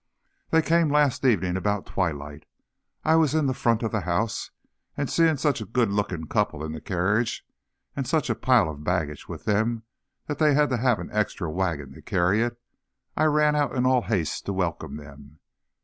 They came last evening about twilight. I was in the front of the house, and seeing such a good looking couple in the carriage, and such a pile of baggage with them that they had to have an extra wagon to carry it, I ran out in all haste to welcome them.